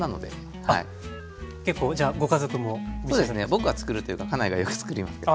僕がつくるというか家内がよくつくりますけど。